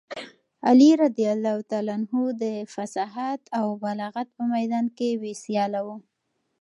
علي رض د فصاحت او بلاغت په میدان کې بې سیاله و.